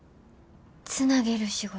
つなげる仕事。